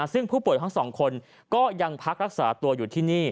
ซึ่งผู้ป่วยทั้งสองคนก็ยังพักรักษาตัวอยู่ที่นี่